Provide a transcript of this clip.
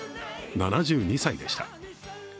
７２歳でした。